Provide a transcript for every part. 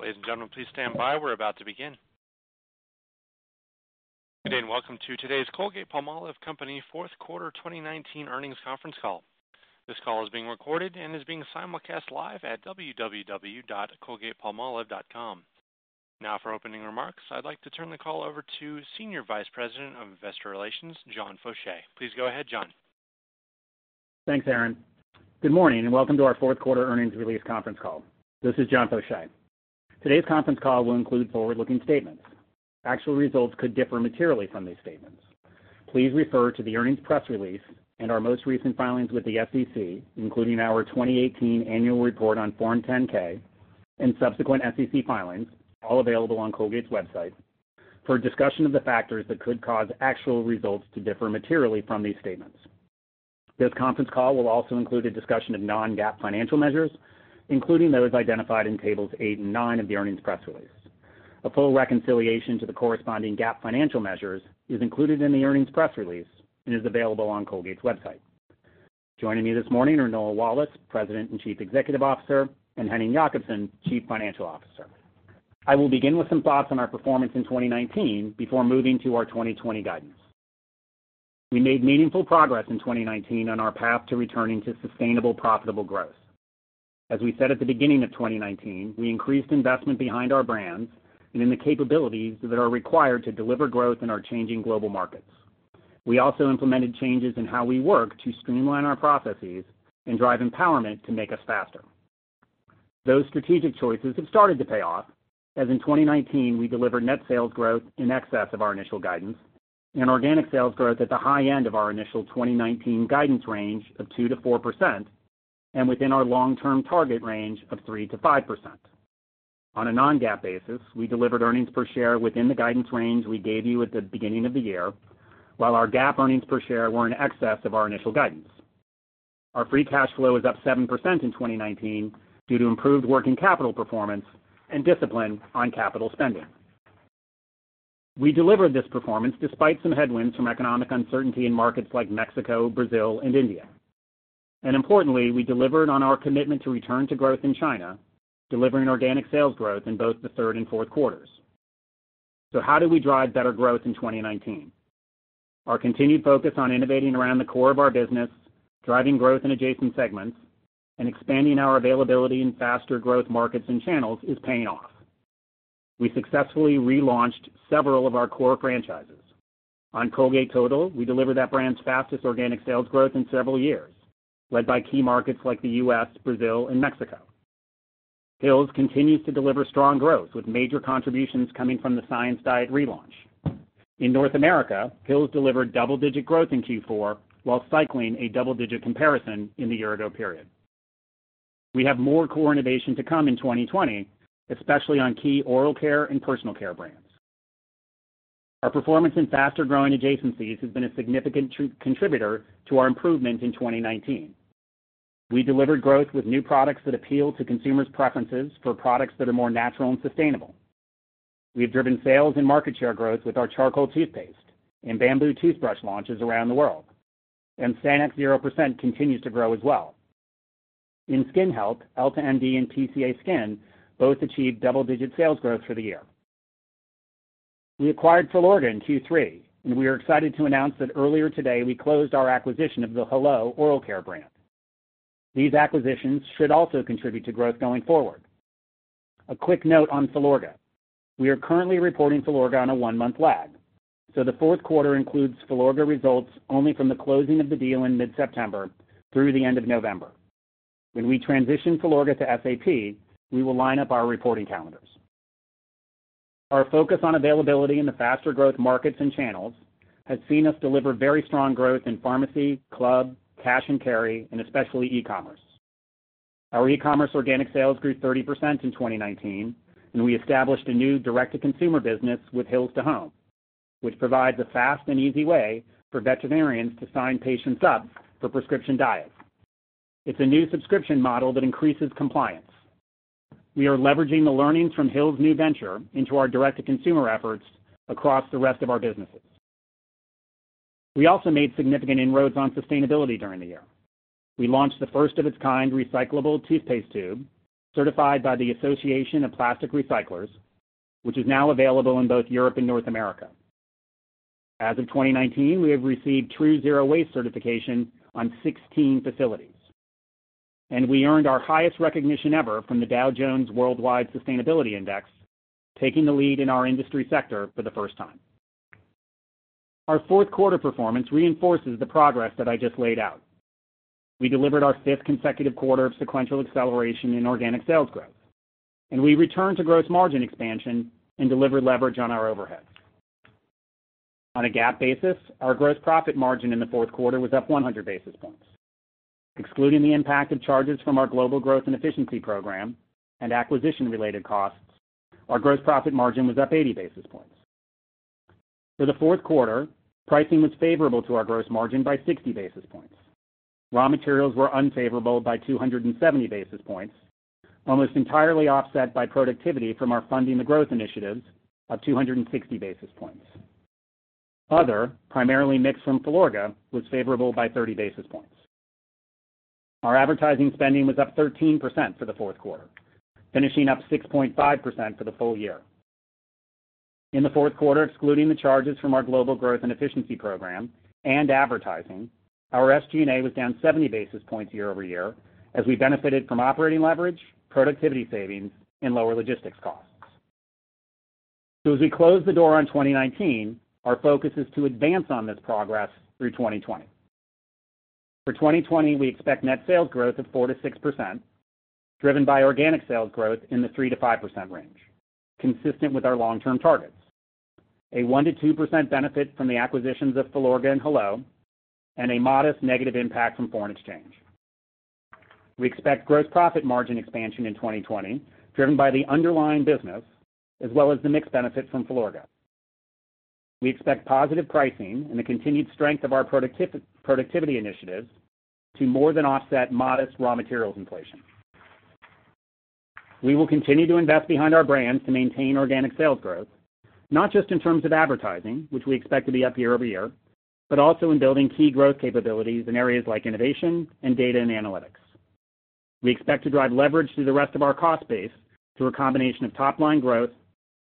Ladies and gentlemen, please stand by. We're about to begin. Good day, and welcome to today's Colgate-Palmolive Company fourth quarter 2019 earnings conference call. This call is being recorded and is being simulcast live at www.colgatepalmolive.com. Now for opening remarks, I'd like to turn the call over to Senior Vice President of Investor Relations, John Faucher. Please go ahead, John. Thanks, Aaron. Good morning, welcome to our fourth quarter earnings release conference call. This is John Faucher. Today's conference call will include forward-looking statements. Actual results could differ materially from these statements. Please refer to the earnings press release and our most recent filings with the SEC, including our 2018 annual report on Form 10-K and subsequent SEC filings, all available on Colgate's website, for a discussion of the factors that could cause actual results to differ materially from these statements. This conference call will also include a discussion of non-GAAP financial measures, including those identified in Tables eight and nine of the earnings press release. A full reconciliation to the corresponding GAAP financial measures is included in the earnings press release and is available on Colgate's website. Joining me this morning are Noel Wallace, President and Chief Executive Officer, and Henning Jakobsen, Chief Financial Officer. I will begin with some thoughts on our performance in 2019 before moving to our 2020 guidance. We made meaningful progress in 2019 on our path to returning to sustainable, profitable growth. As we said at the beginning of 2019, we increased investment behind our brands and in the capabilities that are required to deliver growth in our changing global markets. We also implemented changes in how we work to streamline our processes and drive empowerment to make us faster. Those strategic choices have started to pay off, as in 2019, we delivered net sales growth in excess of our initial guidance and organic sales growth at the high end of our initial 2019 guidance range of 2%-4% and within our long-term target range of 3%-5%. On a non-GAAP basis, we delivered earnings per share within the guidance range we gave you at the beginning of the year, while our GAAP earnings per share were in excess of our initial guidance. Our free cash flow is up 7% in 2019 due to improved working capital performance and discipline on capital spending. We delivered this performance despite some headwinds from economic uncertainty in markets like Mexico, Brazil, and India. Importantly, we delivered on our commitment to return to growth in China, delivering organic sales growth in both the third and fourth quarters. How did we drive better growth in 2019? Our continued focus on innovating around the core of our business, driving growth in adjacent segments, and expanding our availability in faster growth markets and channels is paying off. We successfully relaunched several of our core franchises. On Colgate Total, we delivered that brand's fastest organic sales growth in several years, led by key markets like the U.S., Brazil, and Mexico. Hill's continues to deliver strong growth, with major contributions coming from the Science Diet relaunch. In North America, Hill's delivered double-digit growth in Q4 while cycling a double-digit comparison in the year-ago period. We have more core innovation to come in 2020, especially on key oral care and personal care brands. Our performance in faster-growing adjacencies has been a significant contributor to our improvement in 2019. We delivered growth with new products that appeal to consumers' preferences for products that are more natural and sustainable. We have driven sales and market share growth with our charcoal toothpaste and bamboo toothbrush launches around the world, and Sanex Zero% continues to grow as well. In skin health, EltaMD and PCA SKIN both achieved double-digit sales growth for the year. We acquired Filorga in Q3. We are excited to announce that earlier today, we closed our acquisition of the Hello oral care brand. These acquisitions should also contribute to growth going forward. A quick note on Filorga. We are currently reporting Filorga on a one-month lag, so the fourth quarter includes Filorga results only from the closing of the deal in mid-September through the end of November. When we transition Filorga to SAP, we will line up our reporting calendars. Our focus on availability in the faster-growth markets and channels has seen us deliver very strong growth in pharmacy, club, cash and carry, and especially e-commerce. Our e-commerce organic sales grew 30% in 2019, and we established a new direct-to-consumer business with Hill's to Home, which provides a fast and easy way for veterinarians to sign patients up for prescription diets. It's a new subscription model that increases compliance. We are leveraging the learnings from Hill's new venture into our direct-to-consumer efforts across the rest of our businesses. We also made significant inroads on sustainability during the year. We launched the first of its kind recyclable toothpaste tube certified by the Association of Plastic Recyclers, which is now available in both Europe and North America. As of 2019, we have received TRUE Zero Waste certification on 16 facilities. We earned our highest recognition ever from the Dow Jones Sustainability World Index, taking the lead in our industry sector for the first time. Our fourth quarter performance reinforces the progress that I just laid out. We delivered our fifth consecutive quarter of sequential acceleration in organic sales growth, and we returned to gross margin expansion and delivered leverage on our overheads. On a GAAP basis, our gross profit margin in the fourth quarter was up 100 basis points. Excluding the impact of charges from our global growth and efficiency program and acquisition-related costs, our gross profit margin was up 80 basis points. For the fourth quarter, pricing was favorable to our gross margin by 60 basis points. Raw materials were unfavorable by 270 basis points, almost entirely offset by productivity from our Funding the Growth initiatives of 260 basis points. Other, primarily mixed from Filorga, was favorable by 30 basis points. Our advertising spending was up 13% for the fourth quarter, finishing up 6.5% for the full year. In the fourth quarter, excluding the charges from our global growth and efficiency program and advertising, our SG&A was down 70 basis points year-over-year as we benefited from operating leverage, productivity savings, and lower logistics costs. As we close the door on 2019, our focus is to advance on this progress through 2020. For 2020, we expect net sales growth of 4%-6%, driven by organic sales growth in the 3%-5% range, consistent with our long-term targets. A 1%-2% benefit from the acquisitions of Filorga and Hello, and a modest negative impact from foreign exchange. We expect gross profit margin expansion in 2020, driven by the underlying business as well as the mix benefit from Filorga. We expect positive pricing and the continued strength of our productivity initiatives to more than offset modest raw materials inflation. We will continue to invest behind our brands to maintain organic sales growth, not just in terms of advertising, which we expect to be up year-over-year, but also in building key growth capabilities in areas like innovation and data and analytics. We expect to drive leverage through the rest of our cost base through a combination of top-line growth,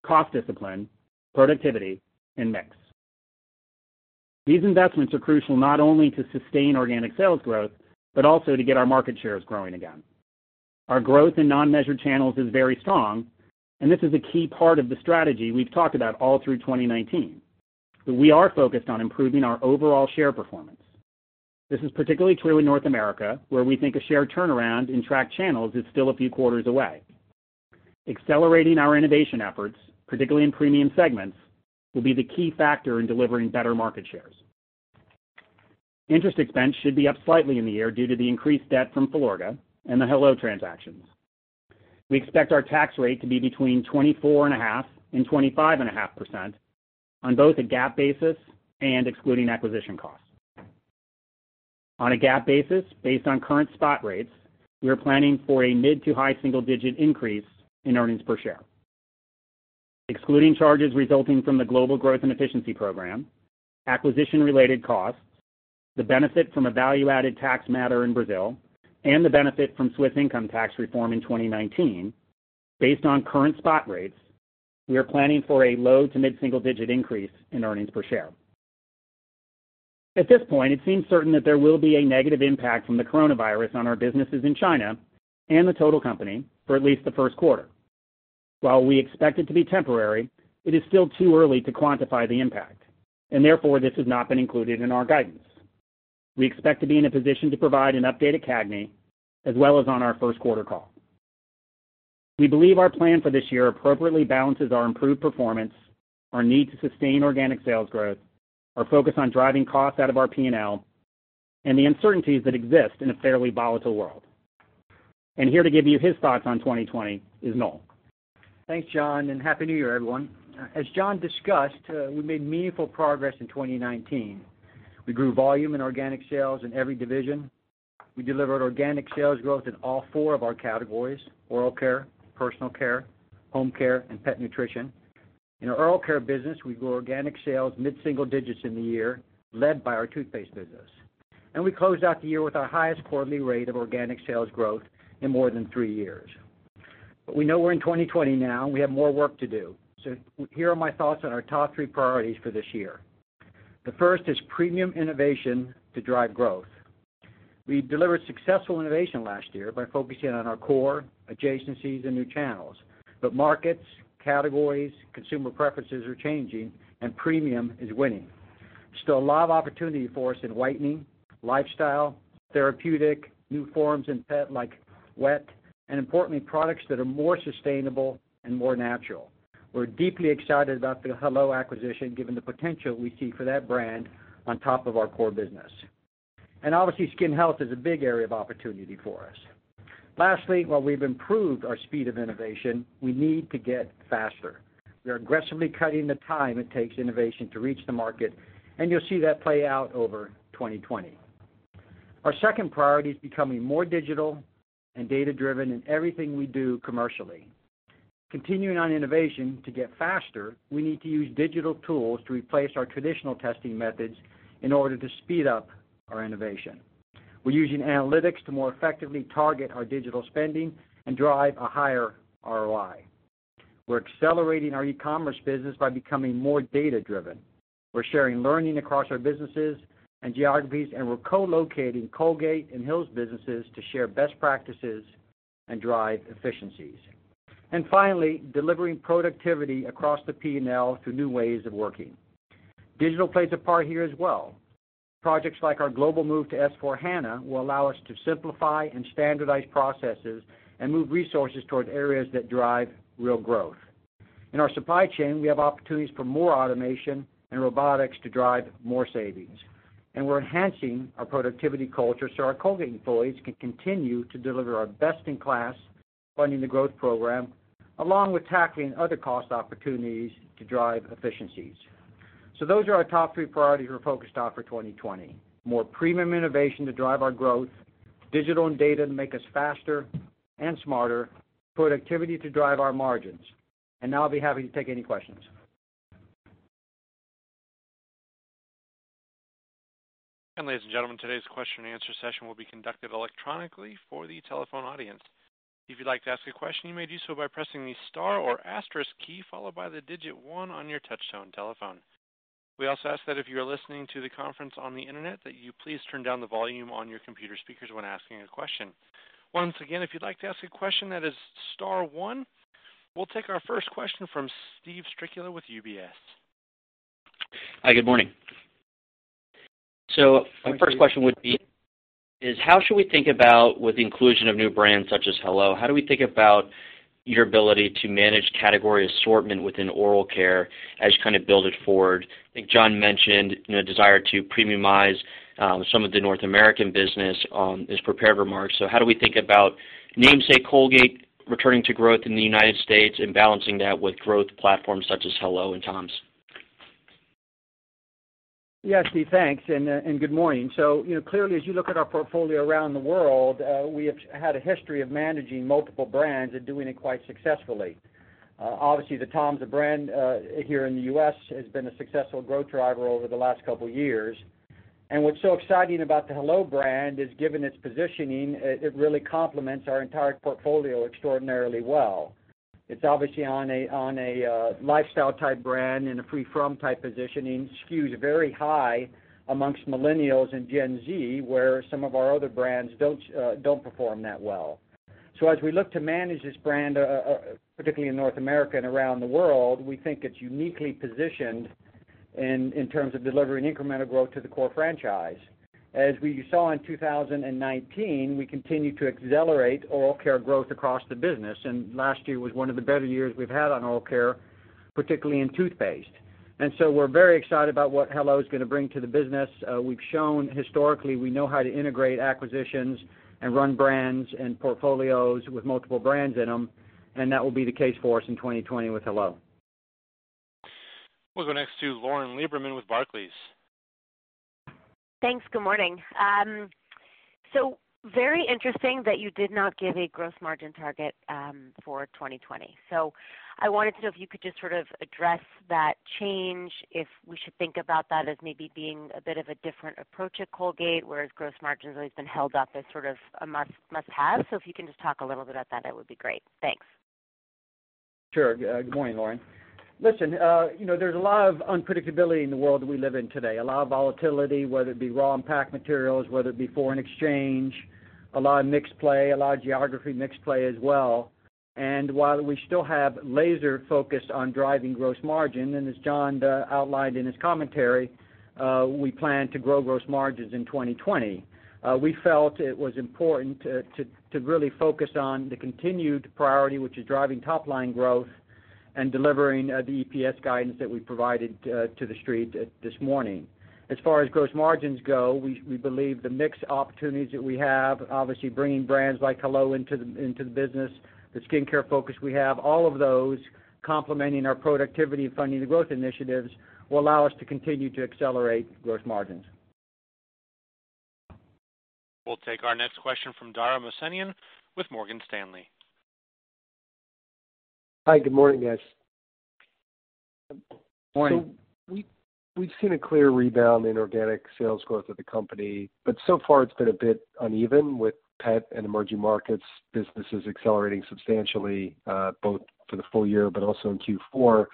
cost discipline, productivity, and mix. These investments are crucial not only to sustain organic sales growth but also to get our market shares growing again. This is a key part of the strategy we've talked about all through 2019. We are focused on improving our overall share performance. This is particularly true in North America, where we think a share turnaround in tracked channels is still a few quarters away. Accelerating our innovation efforts, particularly in premium segments, will be the key factor in delivering better market shares. Interest expense should be up slightly in the year due to the increased debt from Filorga and the Hello transactions. We expect our tax rate to be between 24.5% and 25.5% on both a GAAP basis and excluding acquisition costs. On a GAAP basis, based on current spot rates, we are planning for a mid to high single-digit increase in earnings per share. Excluding charges resulting from the Global Growth and Efficiency Program, acquisition-related costs, the benefit from a value-added tax matter in Brazil, and the benefit from Swiss income tax reform in 2019, based on current spot rates, we are planning for a low to mid-single digit increase in earnings per share. At this point, it seems certain that there will be a negative impact from the coronavirus on our businesses in China and the total company for at least the first quarter. While we expect it to be temporary, it is still too early to quantify the impact, and therefore, this has not been included in our guidance. We expect to be in a position to provide an update at CAGNY as well as on our first quarter call. We believe our plan for this year appropriately balances our improved performance, our need to sustain organic sales growth, our focus on driving costs out of our P&L, and the uncertainties that exist in a fairly volatile world. Here to give you his thoughts on 2020 is Noel. Thanks, John, and happy New Year, everyone. As John discussed, we made meaningful progress in 2019. We grew volume in organic sales in every division. We delivered organic sales growth in all four of our categories, oral care, personal care, home care, and pet nutrition. In our oral care business, we grew organic sales mid-single digits in the year, led by our toothpaste business. We closed out the year with our highest quarterly rate of organic sales growth in more than three years. We know we're in 2020 now, and we have more work to do. Here are my thoughts on our top three priorities for this year. The first is premium innovation to drive growth. We delivered successful innovation last year by focusing on our core adjacencies and new channels. Markets, categories, consumer preferences are changing, and premium is winning. Still a lot of opportunity for us in whitening, lifestyle, therapeutic, new forms in pet like wet, and importantly, products that are more sustainable and more natural. We're deeply excited about the Hello acquisition given the potential we see for that brand on top of our core business. Obviously, skin health is a big area of opportunity for us. Lastly, while we've improved our speed of innovation, we need to get faster. We are aggressively cutting the time it takes innovation to reach the market, and you'll see that play out over 2020. Our second priority is becoming more digital and data-driven in everything we do commercially. Continuing on innovation, to get faster, we need to use digital tools to replace our traditional testing methods in order to speed up our innovation. We're using analytics to more effectively target our digital spending and drive a higher ROI. We're accelerating our e-commerce business by becoming more data-driven. We're sharing learning across our businesses and geographies, and we're co-locating Colgate and Hill's businesses to share best practices and drive efficiencies. Finally, delivering productivity across the P&L through new ways of working. Digital plays a part here as well. Projects like our global move to S/4HANA will allow us to simplify and standardize processes and move resources toward areas that drive real growth. In our supply chain, we have opportunities for more automation and robotics to drive more savings, and we're enhancing our productivity culture so our Colgate employees can continue to deliver our best-in-class Funding the Growth program, along with tackling other cost opportunities to drive efficiencies. Those are our top three priorities we're focused on for 2020. More premium innovation to drive our growth. Digital and data to make us faster and smarter. Productivity to drive our margins. Now I'll be happy to take any questions. Ladies and gentlemen, today's question and answer session will be conducted electronically for the telephone audience. If you'd like to ask a question, you may do so by pressing the star or asterisk key, followed by the digit one on your touch-tone telephone. We also ask that if you are listening to the conference on the internet, that you please turn down the volume on your computer speakers when asking a question. Once again, if you'd like to ask a question, that is star one. We'll take our first question from Steve Strycula with UBS. Hi, good morning. My first question would be is how should we think about with the inclusion of new brands such as Hello, how do we think about your ability to manage category assortment within oral care as you build it forward? I think John mentioned a desire to premiumize some of the North American business on his prepared remarks. How do we think about namesake Colgate returning to growth in the United States and balancing that with growth platforms such as Hello and Tom's? Yeah, Steve. Thanks, and good morning. Clearly, as you look at our portfolio around the world, we have had a history of managing multiple brands and doing it quite successfully. Obviously, the Tom's brand here in the U.S. has been a successful growth driver over the last couple of years. What's so exciting about the Hello brand is, given its positioning, it really complements our entire portfolio extraordinarily well. It's obviously on a lifestyle type brand in a free-from type positioning. Skews very high amongst Millennials and Gen Z, where some of our other brands don't perform that well. As we look to manage this brand, particularly in North America and around the world, we think it's uniquely positioned in terms of delivering incremental growth to the core franchise. As we saw in 2019, we continued to accelerate oral care growth across the business, last year was one of the better years we've had on oral care, particularly in toothpaste. We're very excited about what Hello is going to bring to the business. We've shown historically we know how to integrate acquisitions and run brands and portfolios with multiple brands in them, and that will be the case for us in 2020 with Hello. We'll go next to Lauren Lieberman with Barclays. Thanks. Good morning. Very interesting that you did not give a gross margin target for 2020. I wanted to know if you could just address that change, if we should think about that as maybe being a bit of a different approach at Colgate, whereas gross margin has always been held up as sort of a must-have. If you can just talk a little bit about that, it would be great. Thanks. Sure. Good morning, Lauren. Listen, there's a lot of unpredictability in the world we live in today. A lot of volatility, whether it be raw and pack materials, whether it be foreign exchange, a lot of mix play, a lot of geography mix play as well. While we still have laser focused on driving gross margin, and as John outlined in his commentary, we plan to grow gross margins in 2020. We felt it was important to really focus on the continued priority, which is driving top-line growth and delivering the EPS guidance that we provided to the Street this morning. As far as gross margins go, we believe the mix opportunities that we have, obviously bringing brands like Hello into the business, the skincare focus we have, all of those complementing our productivity and Funding the Growth initiatives will allow us to continue to accelerate gross margins. We'll take our next question from Dara Mohsenian with Morgan Stanley. Hi, good morning, guys. Good morning. We've seen a clear rebound in organic sales growth of the company, but so far it's been a bit uneven with pet and emerging markets, businesses accelerating substantially, both for the full year but also in Q4,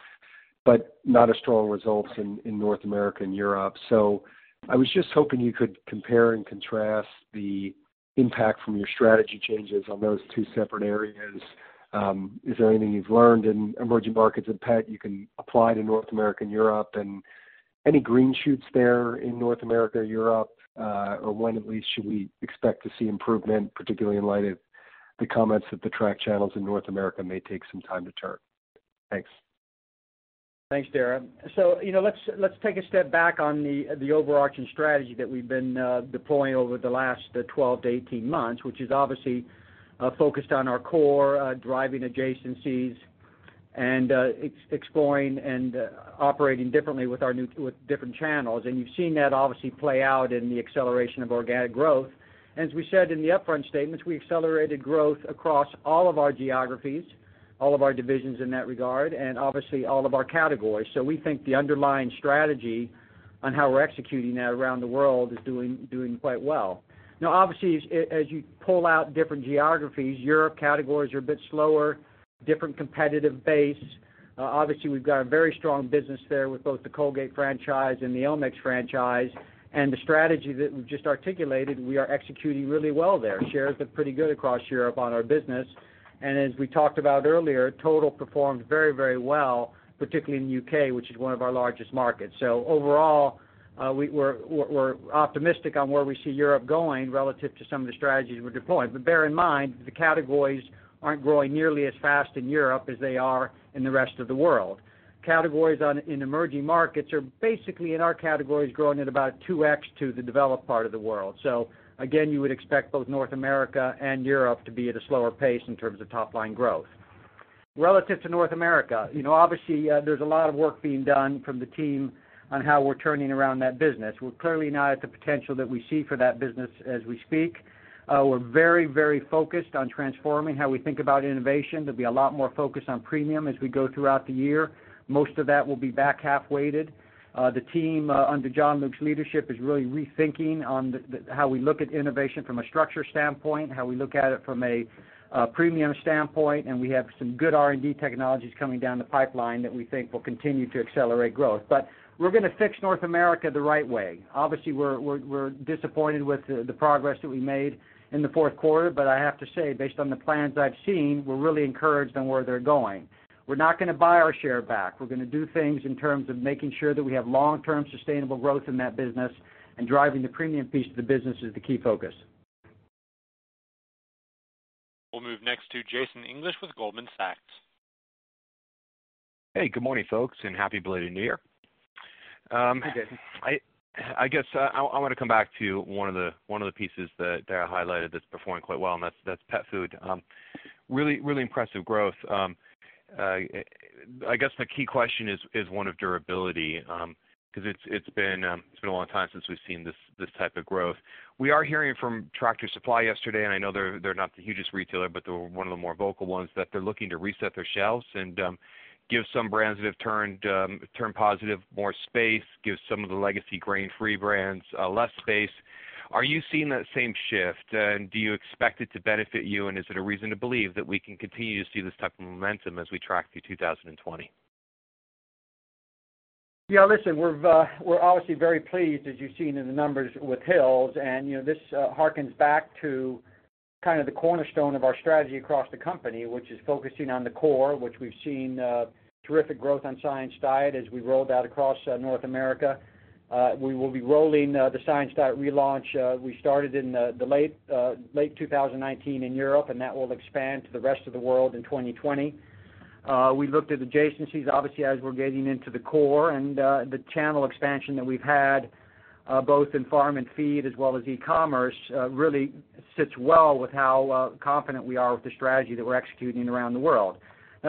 but not as strong results in North America and Europe. I was just hoping you could compare and contrast the impact from your strategy changes on those two separate areas. Is there anything you've learned in emerging markets and pet you can apply to North America and Europe, and any green shoots there in North America, Europe? Or when at least should we expect to see improvement, particularly in light of the comments that the track channels in North America may take some time to turn? Thanks. Thanks, Dara. Let's take a step back on the overarching strategy that we've been deploying over the last 12-18 months, which is obviously focused on our core, driving adjacencies and exploring and operating differently with different channels. You've seen that obviously play out in the acceleration of organic growth. As we said in the upfront statements, we accelerated growth across all of our geographies, all of our divisions in that regard, and obviously all of our categories. We think the underlying strategy on how we're executing that around the world is doing quite well. Obviously, as you pull out different geographies, Europe categories are a bit slower, different competitive base. Obviously, we've got a very strong business there with both the Colgate franchise and the elmex franchise. The strategy that we've just articulated, we are executing really well there. Shares look pretty good across Europe on our business. As we talked about earlier, Colgate Total performed very well, particularly in the U.K., which is one of our largest markets. Overall, we're optimistic on where we see Europe going relative to some of the strategies we're deploying. Bear in mind, the categories aren't growing nearly as fast in Europe as they are in the rest of the world. Categories in emerging markets are basically in our categories growing at about 2x to the developed part of the world. Again, you would expect both North America and Europe to be at a slower pace in terms of top-line growth. Relative to North America, obviously, there's a lot of work being done from the team on how we're turning around that business. We're clearly not at the potential that we see for that business as we speak. We're very focused on transforming how we think about innovation. There'll be a lot more focus on premium as we go throughout the year. Most of that will be back-half weighted. The team, under John Luke's leadership, is really rethinking on how we look at innovation from a structure standpoint, how we look at it from a premium standpoint, and we have some good R&D technologies coming down the pipeline that we think will continue to accelerate growth. We're going to fix North America the right way. Obviously, we're disappointed with the progress that we made in the fourth quarter, but I have to say, based on the plans I've seen, we're really encouraged on where they're going. We're not going to buy our share back. We're going to do things in terms of making sure that we have long-term sustainable growth in that business and driving the premium piece of the business is the key focus. We'll move next to Jason English with Goldman Sachs. Hey, good morning, folks, and happy belated New Year. Hey, Jason. I guess I want to come back to one of the pieces that I highlighted that's performing quite well, and that's pet food. Really impressive growth. I guess the key question is one of durability, because it's been a long time since we've seen this type of growth. We are hearing from Tractor Supply yesterday, and I know they're not the hugest retailer, but they're one of the more vocal ones, that they're looking to reset their shelves and give some brands that have turned positive more space, give some of the legacy grain-free brands less space. Are you seeing that same shift, and do you expect it to benefit you, and is it a reason to believe that we can continue to see this type of momentum as we track through 2020? Yeah, listen, we're obviously very pleased, as you've seen in the numbers with Hill's, this hearkens back to kind of the cornerstone of our strategy across the company, which is focusing on the core, which we've seen terrific growth on Science Diet as we rolled out across North America. We will be rolling the Science Diet relaunch. We started in late 2019 in Europe, and that will expand to the rest of the world in 2020. We looked at adjacencies, obviously, as we're getting into the core, and the channel expansion that we've had, both in farm and feed as well as e-commerce, really sits well with how confident we are with the strategy that we're executing around the world.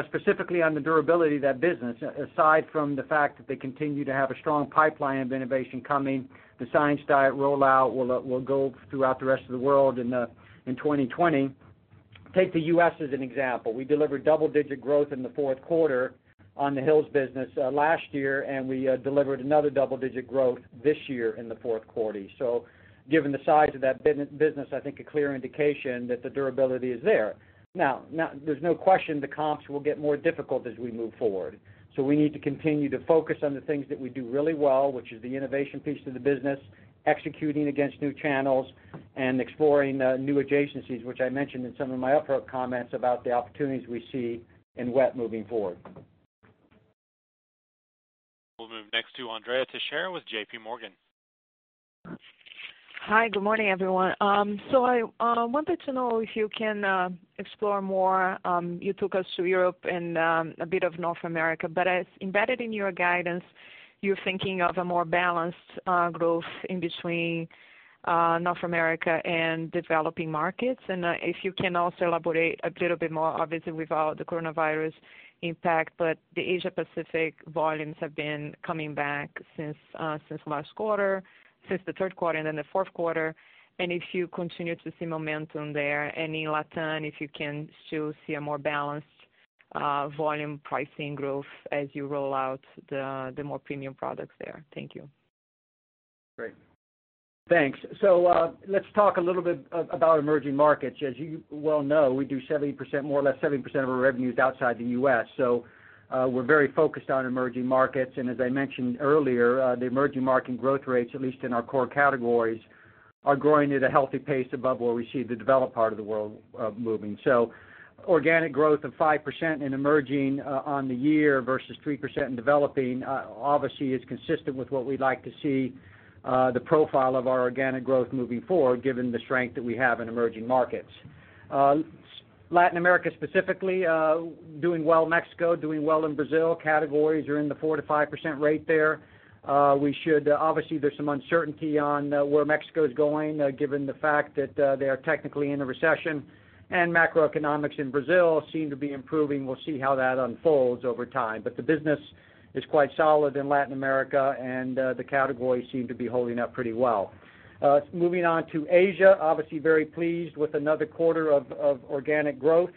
Specifically on the durability of that business, aside from the fact that they continue to have a strong pipeline of innovation coming, the Science Diet rollout will go throughout the rest of the world in 2020. Take the U.S. as an example. We delivered double-digit growth in the fourth quarter on the Hill's business last year, and we delivered another double-digit growth this year in the fourth quarter. Given the size of that business, I think a clear indication that the durability is there. There's no question the comps will get more difficult as we move forward. We need to continue to focus on the things that we do really well, which is the innovation piece of the business, executing against new channels, and exploring new adjacencies, which I mentioned in some of my upfront comments about the opportunities we see in Wet moving forward. We'll move next to Andrea Teixeira with JPMorgan. Hi, good morning, everyone. I wanted to know if you can explore more. You took us to Europe and a bit of North America, but embedded in your guidance, you're thinking of a more balanced growth in between North America and developing markets. If you can also elaborate a little bit more, obviously, without the coronavirus impact, but the Asia-Pacific volumes have been coming back since last quarter, since the third quarter and then the fourth quarter. If you continue to see momentum there. In LATAM, if you can still see a more balanced volume pricing growth as you roll out the more premium products there. Thank you. Great. Thanks. Let's talk a little bit about emerging markets. As you well know, we do more or less 70% of our revenues outside the U.S., so we're very focused on emerging markets. As I mentioned earlier, the emerging market growth rates, at least in our core categories, are growing at a healthy pace above where we see the developed part of the world moving. Organic growth of 5% in emerging on the year versus 3% in developing, obviously, is consistent with what we'd like to see the profile of our organic growth moving forward, given the strength that we have in emerging markets. Latin America, specifically, doing well in Mexico, doing well in Brazil. Categories are in the 4%-5% rate there. There's some uncertainty on where Mexico is going, given the fact that they are technically in a recession, and macroeconomics in Brazil seem to be improving. We'll see how that unfolds over time. The business is quite solid in Latin America, and the categories seem to be holding up pretty well. Moving on to Asia, obviously very pleased with another quarter of organic growth,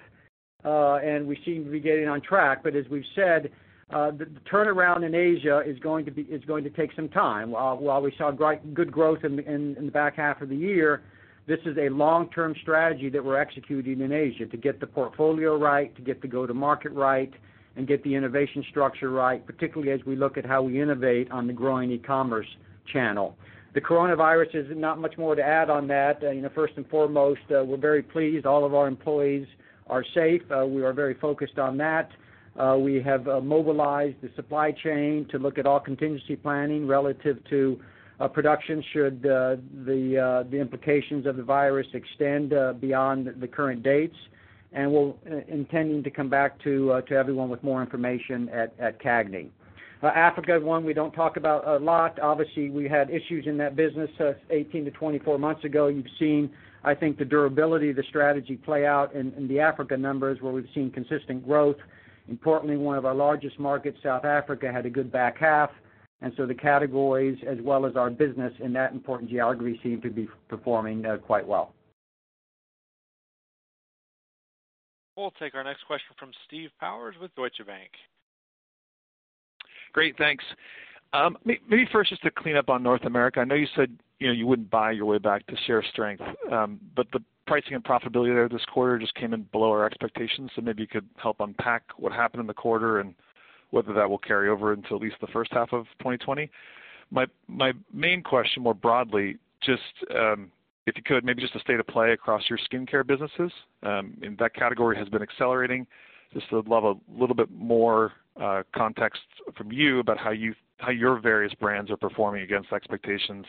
and we seem to be getting on track. As we've said, the turnaround in Asia is going to take some time. While we saw good growth in the back half of the year, this is a long-term strategy that we're executing in Asia to get the portfolio right, to get the go-to-market right, and get the innovation structure right, particularly as we look at how we innovate on the growing e-commerce channel. The coronavirus, there's not much more to add on that. First and foremost, we're very pleased all of our employees are safe. We are very focused on that. We have mobilized the supply chain to look at all contingency planning relative to production should the implications of the virus extend beyond the current dates. We're intending to come back to everyone with more information at CAGNY. Africa is one we don't talk about a lot. Obviously, we had issues in that business 18-24 months ago. You've seen, I think, the durability of the strategy play out in the Africa numbers, where we've seen consistent growth. Importantly, one of our largest markets, South Africa, had a good back half. The categories as well as our business in that important geography seem to be performing quite well. We'll take our next question from Steve Powers with Deutsche Bank. Great. Thanks. First, just to clean up on North America, I know you said you wouldn't buy your way back to share strength, but the pricing and profitability there this quarter just came in below our expectations. Maybe you could help unpack what happened in the quarter and whether that will carry over until at least the first half of 2020. My main question more broadly, just, if you could, maybe just a state of play across your skincare businesses. That category has been accelerating. Just would love a little bit more context from you about how your various brands are performing against expectations.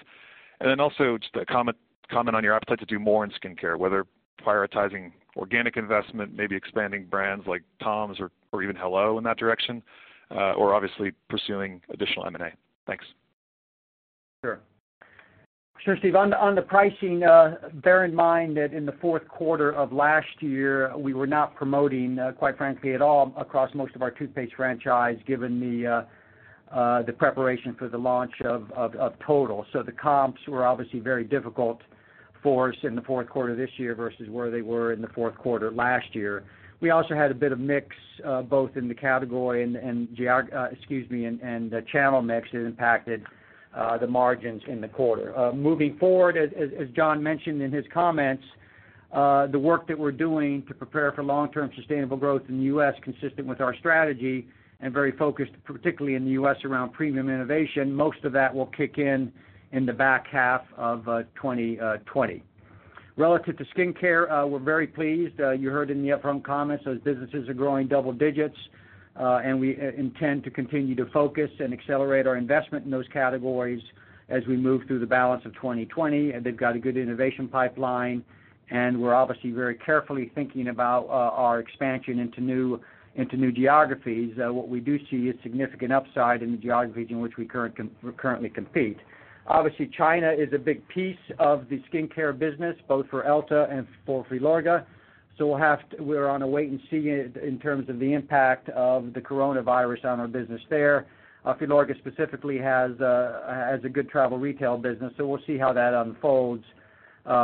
Then also just a comment on your appetite to do more in skincare, whether prioritizing organic investment, maybe expanding brands like Tom's or even Hello in that direction, or obviously pursuing additional M&A. Thanks. Sure, Steve. On the pricing, bear in mind that in the fourth quarter of last year, we were not promoting, quite frankly at all across most of our toothpaste franchise, given the preparation for the launch of Total. The comps were obviously very difficult for us in the fourth quarter this year versus where they were in the fourth quarter last year. We also had a bit of mix, both in the category and excuse me, and the channel mix that impacted the margins in the quarter. Moving forward, as John mentioned in his comments, the work that we're doing to prepare for long-term sustainable growth in the U.S., consistent with our strategy and very focused, particularly in the U.S. around premium innovation, most of that will kick in the back half of 2020. Relative to skincare, we're very pleased. You heard in the upfront comments, those businesses are growing double digits. We intend to continue to focus and accelerate our investment in those categories as we move through the balance of 2020. They've got a good innovation pipeline, and we're obviously very carefully thinking about our expansion into new geographies. What we do see is significant upside in the geographies in which we currently compete. Obviously, China is a big piece of the skincare business, both for Elta and for Filorga. We're on a wait and see in terms of the impact of the coronavirus on our business there. Filorga specifically has a good travel retail business, so we'll see how that unfolds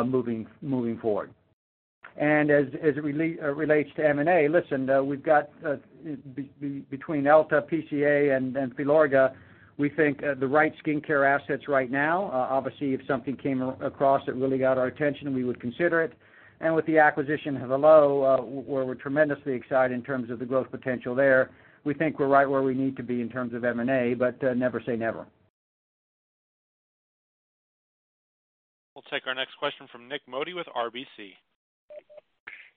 moving forward. As it relates to M&A, listen, we've got between Elta, PCA and Filorga, we think the right skincare assets right now. Obviously, if something came across that really got our attention, we would consider it. With the acquisition of Hello, where we're tremendously excited in terms of the growth potential there, we think we're right where we need to be in terms of M&A, but never say never. We'll take our next question from Nik Modi with RBC.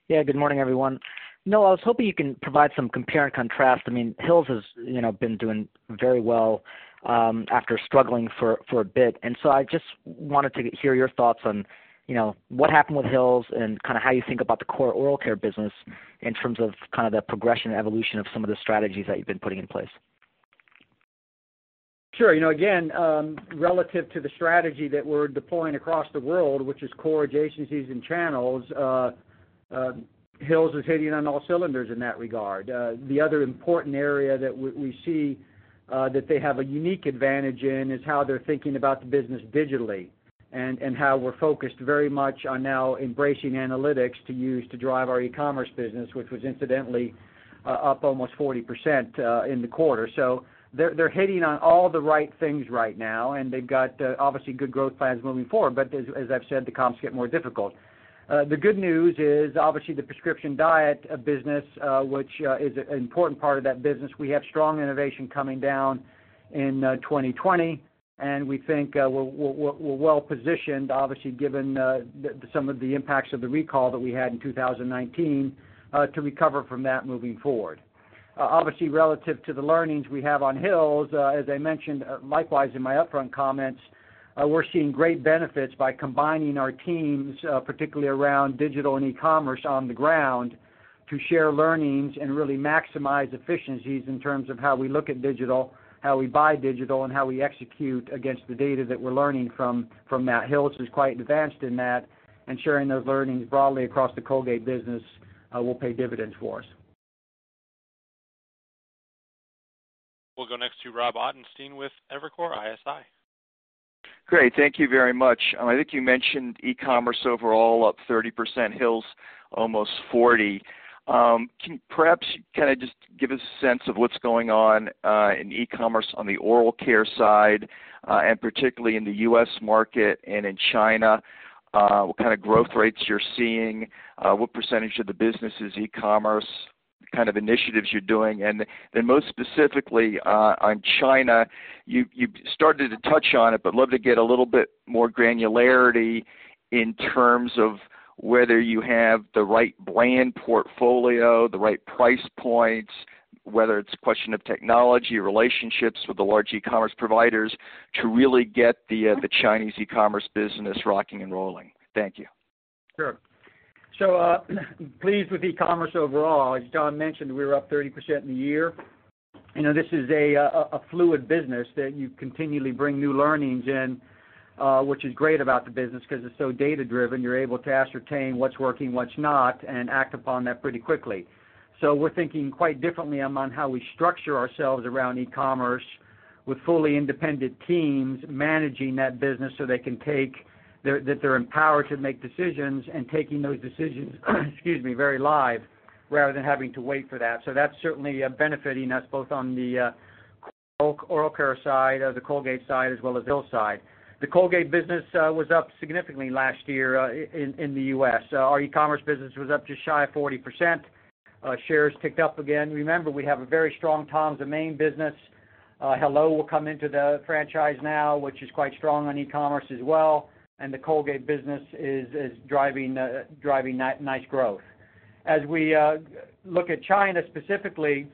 Yeah, good morning, everyone. Noel, I was hoping you can provide some compare and contrast. I mean, Hill's has been doing very well after struggling for a bit. I just wanted to hear your thoughts on what happened with Hill's and kind of how you think about the core oral care business in terms of kind of the progression evolution of some of the strategies that you've been putting in place. Sure. Relative to the strategy that we're deploying across the world, which is core agencies and channels, Hill's is hitting on all cylinders in that regard. The other important area that we see that they have a unique advantage in is how they're thinking about the business digitally, and how we're focused very much on now embracing analytics to use to drive our e-commerce business, which was incidentally up almost 40% in the quarter. They're hitting on all the right things right now, and they've got obviously good growth plans moving forward. As I've said, the comps get more difficult. The good news is obviously the Prescription Diet business, which is an important part of that business. We have strong innovation coming down in 2020, and we think we're well positioned, obviously, given some of the impacts of the recall that we had in 2019, to recover from that moving forward. Obviously, relative to the learnings we have on Hill's, as I mentioned likewise in my upfront comments, we're seeing great benefits by combining our teams, particularly around digital and e-commerce on the ground to share learnings and really maximize efficiencies in terms of how we look at digital, how we buy digital, and how we execute against the data that we're learning from that. Hill's is quite advanced in that and sharing those learnings broadly across the Colgate business will pay dividends for us. We'll go next to Rob Ottenstein with Evercore ISI. Great. Thank you very much. I think you mentioned e-commerce overall up 30%, Hill's almost 40%. Can you perhaps kind of just give us a sense of what's going on in e-commerce on the oral care side, and particularly in the U.S. market and in China? What kind of growth rates you're seeing, what percentage of the business is e-commerce, kind of initiatives you're doing? Most specifically on China, you started to touch on it, but love to get a little bit more granularity in terms of whether you have the right brand portfolio, the right price points, whether it's a question of technology, relationships with the large e-commerce providers to really get the Chinese e-commerce business rocking and rolling. Thank you. Sure. Pleased with e-commerce overall. As John mentioned, we were up 30% in the year. This is a fluid business that you continually bring new learnings in. Which is great about the business because it's so data-driven. You're able to ascertain what's working, what's not, and act upon that pretty quickly. We're thinking quite differently among how we structure ourselves around e-commerce with fully independent teams managing that business so that they're empowered to make decisions and taking those decisions, excuse me, very live, rather than having to wait for that. That's certainly benefiting us both on the oral care side, the Colgate side, as well as the Hill's side. The Colgate business was up significantly last year in the U.S. Our e-commerce business was up just shy of 40%. Shares ticked up again. Remember, we have a very strong Tom's of Maine business. Hello, welcome into the franchise now, which is quite strong on e-commerce as well, and the Colgate business is driving nice growth. As we look at China specifically,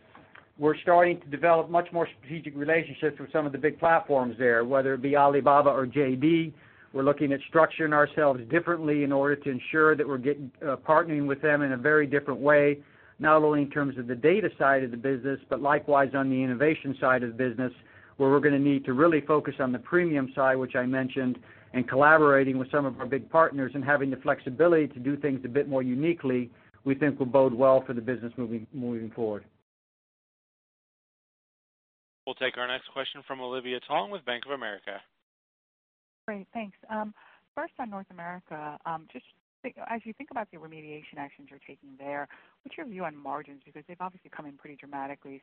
we're starting to develop much more strategic relationships with some of the big platforms there, whether it be Alibaba or JD. We're looking at structuring ourselves differently in order to ensure that we're partnering with them in a very different way, not only in terms of the data side of the business, but likewise on the innovation side of the business, where we're going to need to really focus on the premium side, which I mentioned, and collaborating with some of our big partners and having the flexibility to do things a bit more uniquely, we think will bode well for the business moving forward. We'll take our next question from Olivia Tong with Bank of America. Great. Thanks. First on North America, as you think about the remediation actions you're taking there, what's your view on margins? They've obviously come in pretty dramatically.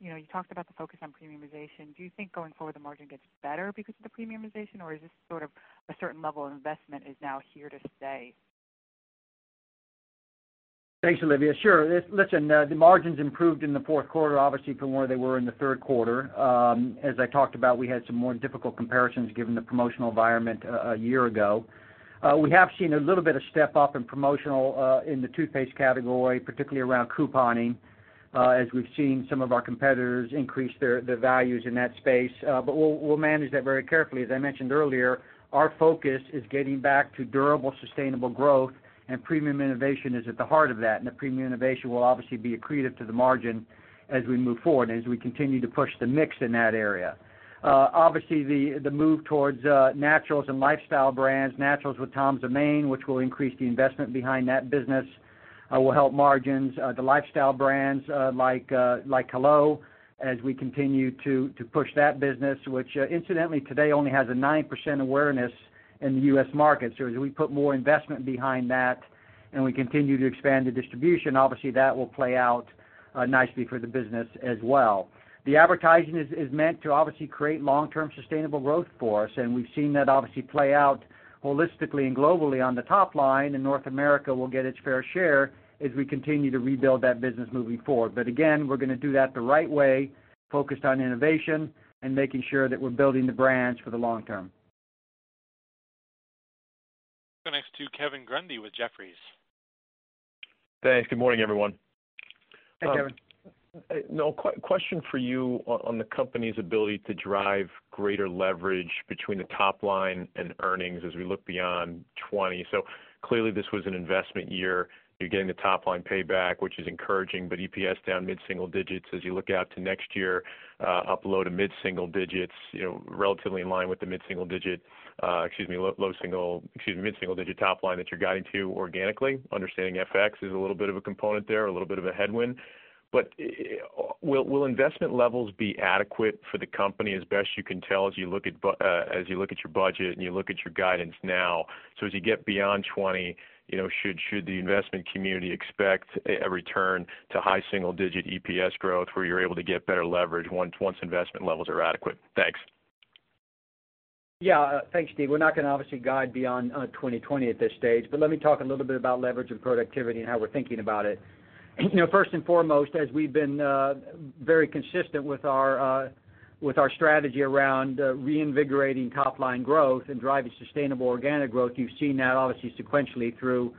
You talked about the focus on premiumization. Do you think going forward the margin gets better because of the premiumization, or is it sort of a certain level of investment is now here to stay? Thanks, Olivia. Sure. Listen, the margins improved in the fourth quarter, obviously from where they were in the third quarter. As I talked about, we had some more difficult comparisons given the promotional environment a year ago. We have seen a little bit of step up in promotional in the toothpaste category, particularly around couponing, as we've seen some of our competitors increase their values in that space. We'll manage that very carefully. As I mentioned earlier, our focus is getting back to durable, sustainable growth. Premium innovation is at the heart of that. The premium innovation will obviously be accretive to the margin as we move forward and as we continue to push the mix in that area. Obviously, the move towards naturals and lifestyle brands, naturals with Tom's of Maine, which will increase the investment behind that business, will help margins. The lifestyle brands like Hello, as we continue to push that business, which incidentally today only has a 9% awareness in the U.S. market. As we put more investment behind that and we continue to expand the distribution, obviously that will play out nicely for the business as well. The advertising is meant to obviously create long-term sustainable growth for us, and we've seen that obviously play out holistically and globally on the top line, and North America will get its fair share as we continue to rebuild that business moving forward. Again, we're going to do that the right way, focused on innovation and making sure that we're building the brands for the long term. Go next to Kevin Grundy with Jefferies. Thanks. Good morning, everyone. Hi, Kevin. Question for you on the company's ability to drive greater leverage between the top line and earnings as we look beyond 2020. Clearly this was an investment year. You're getting the top line payback, which is encouraging, EPS down mid-single digits as you look out to next year, up low to mid-single digits, relatively in line with the mid-single digit top line that you're guiding to organically. Understanding FX is a little bit of a component there, a little bit of a headwind. Will investment levels be adequate for the company as best you can tell as you look at your budget and you look at your guidance now? As you get beyond 2020, should the investment community expect a return to high single-digit EPS growth where you're able to get better leverage once investment levels are adequate? Thanks. Yeah. Thanks, Steve. We're not going to obviously guide beyond 2020 at this stage, let me talk a little bit about leverage and productivity and how we're thinking about it. First and foremost, as we've been very consistent with our strategy around reinvigorating top-line growth and driving sustainable organic growth, you've seen that obviously sequentially through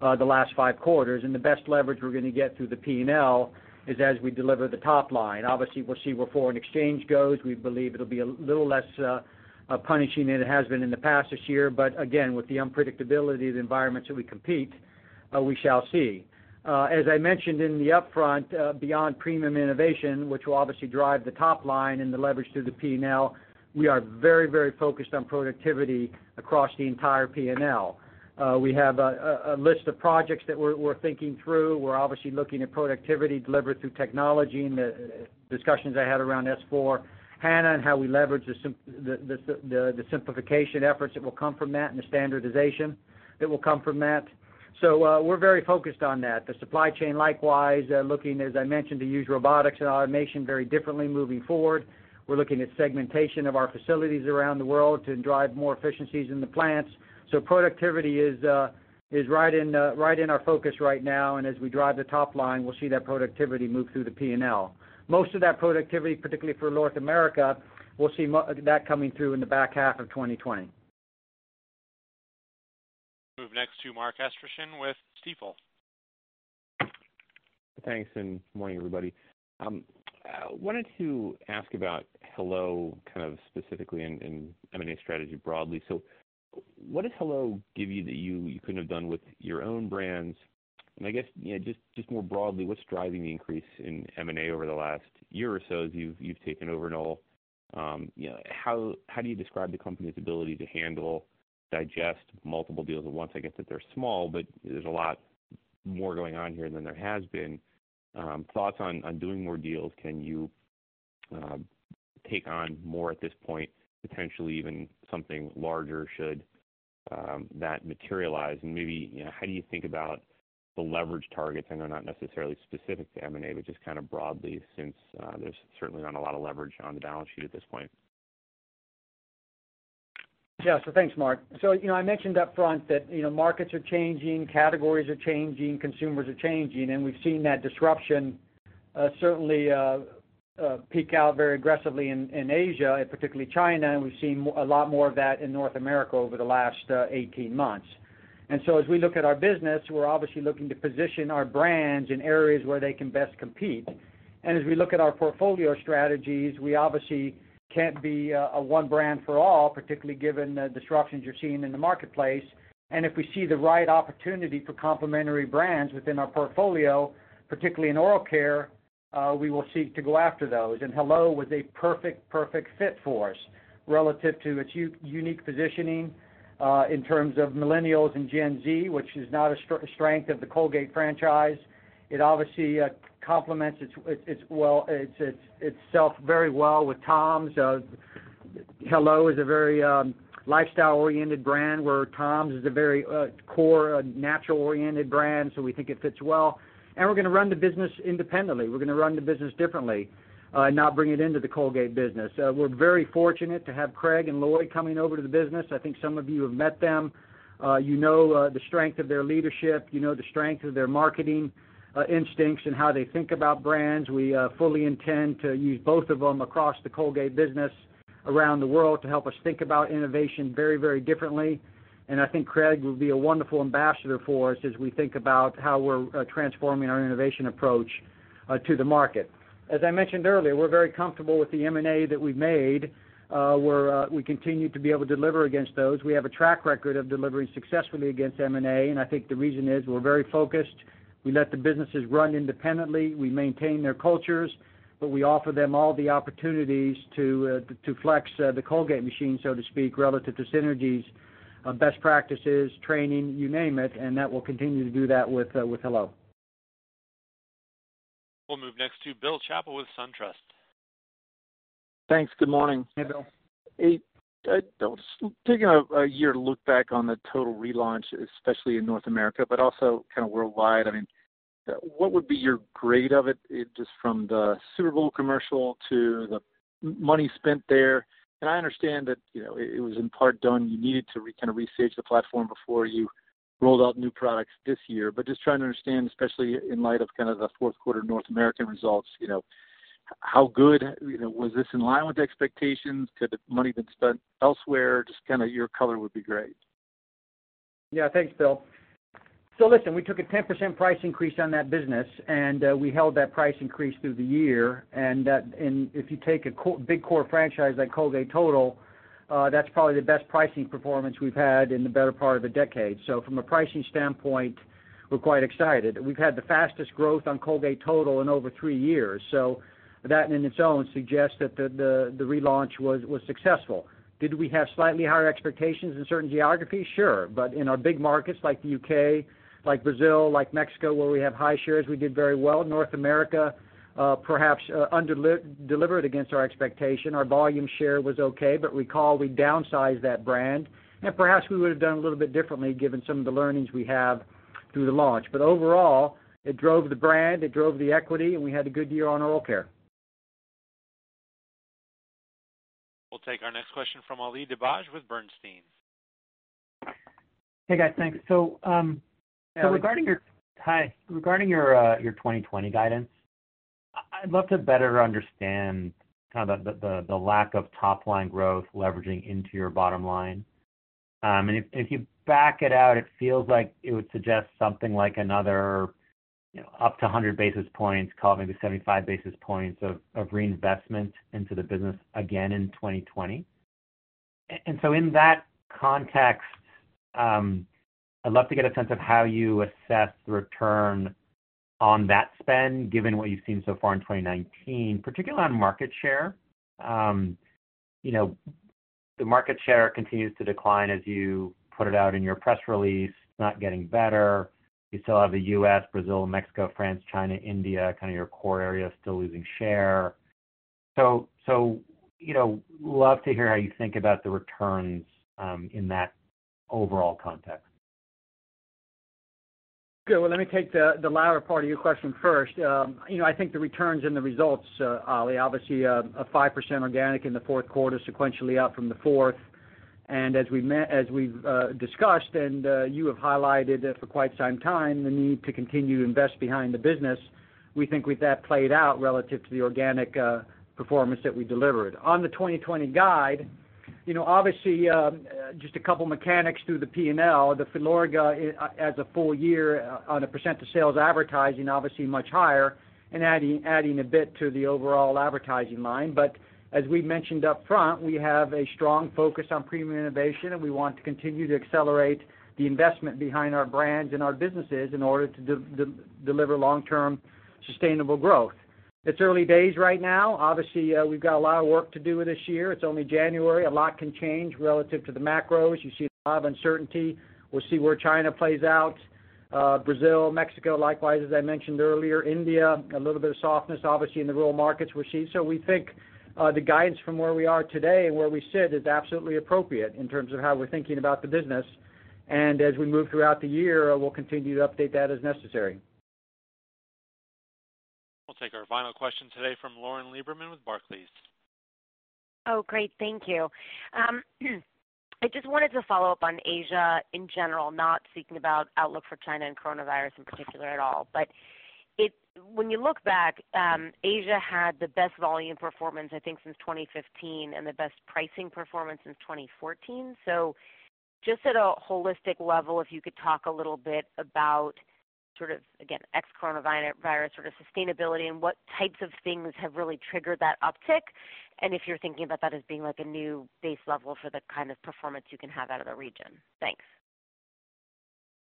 the last five quarters, the best leverage we're going to get through the P&L is as we deliver the top line. Obviously, we'll see where foreign exchange goes. We believe it'll be a little less punishing than it has been in the past this year. Again, with the unpredictability of the environments that we compete, we shall see. As I mentioned in the upfront beyond premium innovation, which will obviously drive the top line and the leverage through the P&L, we are very focused on productivity across the entire P&L. We have a list of projects that we're thinking through. We're obviously looking at productivity delivered through technology and the discussions I had around S/4HANA and how we leverage the simplification efforts that will come from that and the standardization that will come from that. We're very focused on that. The supply chain, likewise, looking, as I mentioned, to use robotics and automation very differently moving forward. We're looking at segmentation of our facilities around the world to drive more efficiencies in the plants. Productivity is right in our focus right now, and as we drive the top line, we'll see that productivity move through the P&L. Most of that productivity, particularly for North America, we'll see that coming through in the back half of 2020. Move next to Mark Astrachan with Stifel. Thanks, and morning, everybody. Wanted to ask about Hello kind of specifically and M&A strategy broadly. What does Hello give you that you couldn't have done with your own brands? I guess, just more broadly, what's driving the increase in M&A over the last year or so as you've taken over and all? How do you describe the company's ability to handle, digest multiple deals at once? I get that they're small, but there's a lot more going on here than there has been. Thoughts on doing more deals, can you take on more at this point, potentially even something larger should that materialize? Maybe, how do you think about the leverage targets? I know not necessarily specific to M&A, but just broadly since there's certainly not a lot of leverage on the balance sheet at this point. Thanks, Mark. I mentioned upfront that markets are changing, categories are changing, consumers are changing, and we've seen that disruption certainly peak out very aggressively in Asia, particularly China. We've seen a lot more of that in North America over the last 18 months. As we look at our business, we're obviously looking to position our brands in areas where they can best compete. As we look at our portfolio strategies, we obviously can't be a one brand for all, particularly given the disruptions you're seeing in the marketplace. If we see the right opportunity for complementary brands within our portfolio, particularly in oral care, we will seek to go after those. Hello was a perfect fit for us relative to its unique positioning, in terms of millennials and Gen Z, which is not a strength of the Colgate franchise. It obviously complements itself very well with Tom's. Hello is a very lifestyle-oriented brand, where Tom's is a very core, natural-oriented brand, so we think it fits well. We're going to run the business independently. We're going to run the business differently, not bring it into the Colgate business. We're very fortunate to have Craig and Lloyd coming over to the business. I think some of you have met them. You know the strength of their leadership, you know the strength of their marketing instincts and how they think about brands. We fully intend to use both of them across the Colgate business around the world to help us think about innovation very differently. I think Craig will be a wonderful ambassador for us as we think about how we're transforming our innovation approach to the market. As I mentioned earlier, we're very comfortable with the M&A that we've made, where we continue to be able to deliver against those. We have a track record of delivering successfully against M&A, and I think the reason is we're very focused. We let the businesses run independently. We maintain their cultures, but we offer them all the opportunities to flex the Colgate machine, so to speak, relative to synergies, best practices, training, you name it, and that we'll continue to do that with Hello. We'll move next to Bill Chappell with SunTrust. Thanks. Good morning. Hey, Bill. Taking a year to look back on the Total relaunch, especially in North America, but also worldwide. What would be your grade of it, just from the Super Bowl commercial to the money spent there? I understand that it was in part done, you needed to restage the platform before you rolled out new products this year, but just trying to understand, especially in light of the fourth quarter North American results, was this in line with expectations? Could the money been spent elsewhere? Just your color would be great. Thanks, Bill. Listen, we took a 10% price increase on that business. We held that price increase through the year. If you take a big core franchise like Colgate Total, that's probably the best pricing performance we've had in the better part of a decade. From a pricing standpoint, we're quite excited. We've had the fastest growth on Colgate Total in over three years. That in its own suggests that the relaunch was successful. Did we have slightly higher expectations in certain geographies? Sure. In our big markets like the U.K., like Brazil, like Mexico, where we have high shares, we did very well. North America, perhaps, under-delivered against our expectation. Our volume share was okay. Recall, we downsized that brand. Perhaps we would've done a little bit differently given some of the learnings we have through the launch. Overall, it drove the brand, it drove the equity, and we had a good year on oral care. We'll take our next question from Ali Dibadj with Bernstein. Hey, guys. Thanks. Hi, Ali. Hi. Regarding your 2020 guidance, I'd love to better understand the lack of top-line growth leveraging into your bottom line. If you back it out, it feels like it would suggest something like another up to 100 basis points, call it maybe 75 basis points of reinvestment into the business again in 2020. In that context, I'd love to get a sense of how you assess the return on that spend, given what you've seen so far in 2019, particularly on market share. The market share continues to decline as you put it out in your press release. It's not getting better. You still have the U.S., Brazil, Mexico, France, China, India, your core area, still losing share. Would love to hear how you think about the returns in that overall context. Good. Well, let me take the latter part of your question first. I think the returns and the results, Ali, obviously, a 5% organic in the fourth quarter sequentially out from the fourth. As we've discussed and you have highlighted for quite some time, the need to continue to invest behind the business. We think that played out relative to the organic performance that we delivered. On the 2020 guide. Obviously, just a couple of mechanics through the P&L, the Filorga as a full year on a percent to sales advertising, obviously much higher and adding a bit to the overall advertising line. As we mentioned up front, we have a strong focus on premium innovation, and we want to continue to accelerate the investment behind our brands and our businesses in order to deliver long-term sustainable growth. It's early days right now. Obviously, we've got a lot of work to do this year. It's only January. A lot can change relative to the macros. You see a lot of uncertainty. We'll see where China plays out. Brazil, Mexico, likewise, as I mentioned earlier, India, a little bit of softness, obviously, in the rural markets we see. We think the guidance from where we are today and where we sit is absolutely appropriate in terms of how we're thinking about the business. As we move throughout the year, we'll continue to update that as necessary. We'll take our final question today from Lauren Lieberman with Barclays. Great. Thank you. I just wanted to follow up on Asia in general, not speaking about outlook for China and coronavirus in particular at all. When you look back, Asia had the best volume performance, I think, since 2015 and the best pricing performance since 2014. Just at a holistic level, if you could talk a little bit about sort of, again, ex-coronavirus sort of sustainability and what types of things have really triggered that uptick, and if you're thinking about that as being like a new base level for the kind of performance you can have out of the region. Thanks.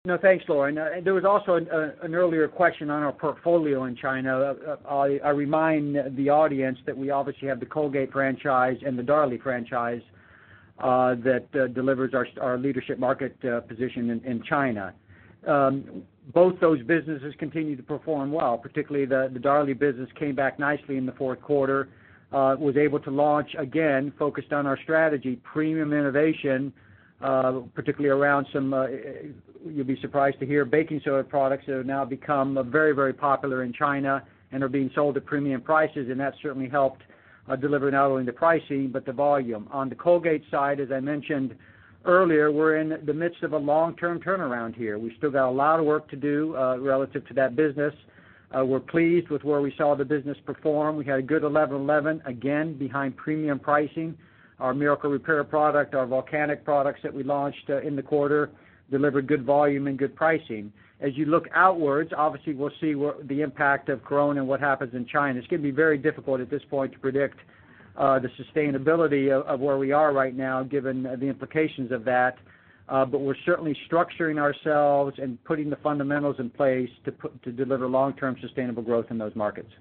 No, thanks, Lauren. There was also an earlier question on our portfolio in China. I remind the audience that we obviously have the Colgate franchise and the Darlie franchise that delivers our leadership market position in China. Both those businesses continue to perform well. Particularly the Darlie business came back nicely in the fourth quarter, was able to launch, again, focused on our strategy, premium innovation, particularly around some, you'd be surprised to hear, baking soda products that have now become very, very popular in China and are being sold at premium prices, and that certainly helped deliver not only the pricing but the volume. On the Colgate side, as I mentioned earlier, we're in the midst of a long-term turnaround here. We still got a lot of work to do relative to that business. We're pleased with where we saw the business perform. We had a good 11/11, again, behind premium pricing. Our Miracle Repair product, our Volcanic products that we launched in the quarter delivered good volume and good pricing. As you look outwards, obviously, we'll see what the impact of coronavirus and what happens in China. It's going to be very difficult at this point to predict the sustainability of where we are right now, given the implications of that. We're certainly structuring ourselves and putting the fundamentals in place to deliver long-term sustainable growth in those markets.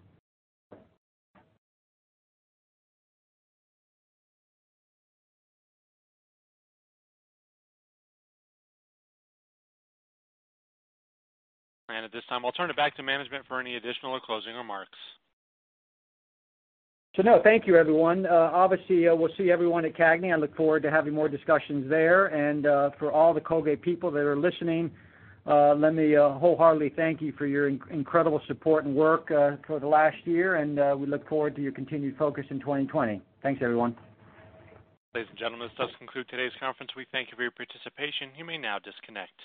At this time, I'll turn it back to management for any additional or closing remarks. No, thank you, everyone. Obviously, we'll see everyone at CAGNY. I look forward to having more discussions there. For all the Colgate people that are listening, let me wholeheartedly thank you for your incredible support and work for the last year, and we look forward to your continued focus in 2020. Thanks, everyone. Ladies and gentlemen, this does conclude today's conference. We thank you for your participation. You may now disconnect.